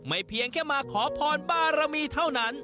เพียงแค่มาขอพรบารมีเท่านั้น